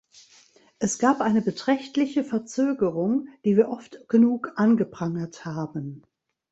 Es gab eine beträchtliche Verzögerung, die wir oft genug angeprangert haben.